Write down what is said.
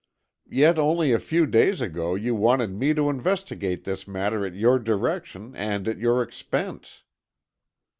"Yet only a few days ago, you wanted me to investigate this matter at your direction and at your expense."